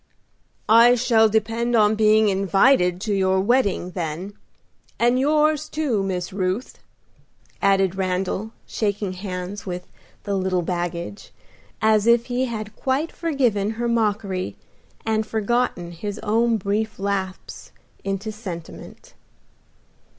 "I shall depend on being invited to your wedding, then, and yours, too, Miss Ruth," added Randal, shaking hands with "the little baggage," as if he had quite forgiven her mockery and forgotten his own brief lapse into sentiment.